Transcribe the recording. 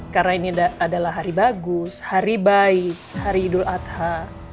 karena ini adalah hari bagus hari baik hari idul adha